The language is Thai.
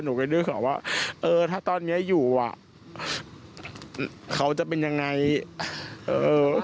ไปนึกออกว่าเออถ้าตอนเนี้ยอยู่อ่ะเขาจะเป็นยังไงเออ